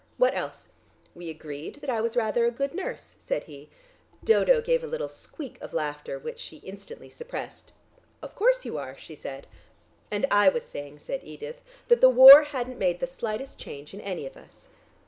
What else?" "We agreed that I was rather a good nurse," said he. Dodo gave a little squeak of laughter, which she instantly suppressed. "Of course you are," she said. "And I was saying," said Edith, "that the war hadn't made the slightest change in any of us."